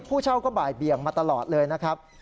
เช่าก็บ่ายเบียงมาตลอดเลยนะครับ